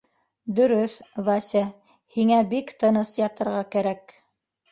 — Дөрөҫ, Вася, һиңә бик тыныс ятырға кәрәк.